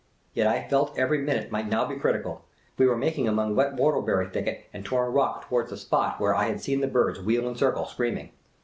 Yet I felt every minute might now be critical. We were making among wet whortleberry thicket and torn rock towards the spot where I had seen the birds wheel and circle, screaming.